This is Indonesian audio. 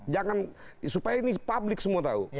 jangan supaya ini publik semua tahu